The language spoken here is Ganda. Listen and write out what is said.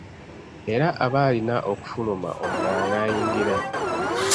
Era aba alina okufuluma omulala n’ayingira.